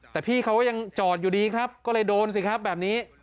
แต่พี่เขาก็ยังจอดอยู่ดีครับก็เลยโดนสิครับแบบนี้